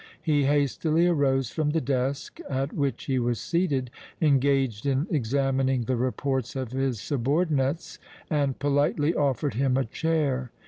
He hastily arose from the desk at which he was seated, engaged in examining the reports of his subordinates, and politely offered him a chair.